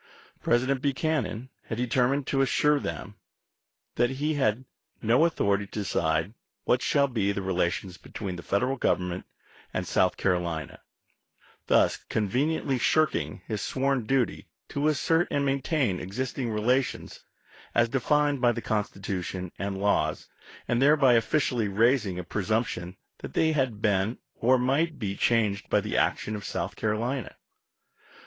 President Buchanan had determined to assure them that he had "no authority to decide what shall be the relations between the Federal Govern ment and South Carolina," — thus conveniently shirking his sworn duty to assert and maintain existing relations as defined by the Constitution and laws, and thereby officially raising a presump tion that they had been or might be changed by the action of South Carolina.